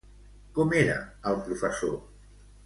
Com era el professor?